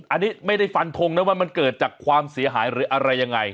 อันนี้ไม่ได้ฟันทงนะว่ามันเกิดจากความเสียหายหรืออะไรยังไง